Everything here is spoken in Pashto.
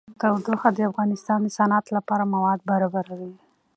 تودوخه د افغانستان د صنعت لپاره مواد برابروي.